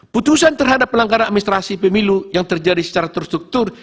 putusan terhadap pelanggaran administrasi pemilu yang terjadi secara terstruktur